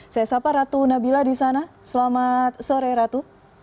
saya sapa ratu nabila di sana selamat sore ratu